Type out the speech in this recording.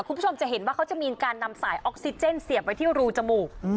คุณผู้ชมจะเห็นว่าเขาจะมีการนำสายออกซิเจนเสียบไว้ที่รูจมูก